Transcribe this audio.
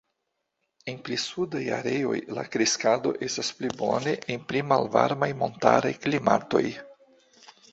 En pli sudaj areoj, la kreskado estas pli bone en pli malvarmaj montaraj klimatoj.